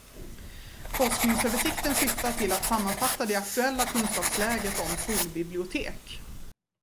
Forskningsöversikten syftar till att sammanfatta det aktuella kunskapsläget om skolbibliotek.